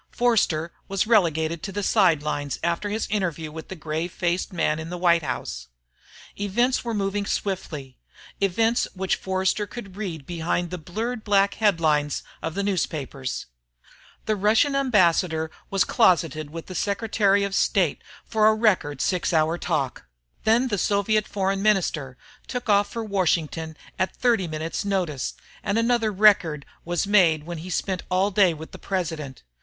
Forster was relegated to the sidelines after his interview with the grave faced man in the White House. Events were moving swiftly events which Forster could read behind the blurred black headlines of the newspapers. The Russian ambassador was closeted with the Secretary of State for a record six hour talk. Then the Soviet Foreign Minister took off for Washington at 30 minutes' notice, and another record was made when he spent all day with the President.